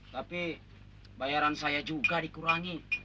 tapi bayaran saya juga dikurangi